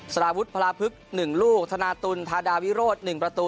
สารวุฒิพลาพึก๑ลูกธนาตุลธาดาวิโรธ๑ประตู